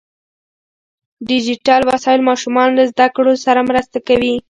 ډیجیټل وسایل ماشومان له زده کړو سره مرسته کوي.